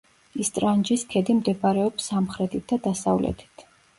ისტრანჯის ქედი მდებარეობს სამხრეთით და დასავლეთით.